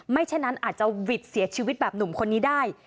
ไม่เช่นนั้นอาจจะหวิตเสียชีวิตแบบโหนมคนนี้ได้